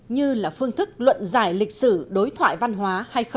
như là phương thức luận giải lịch sử đối thoại văn hóa hay không